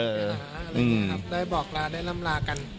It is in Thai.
อะไรแบบนี้ครับได้บอกลาได้ลำลากัน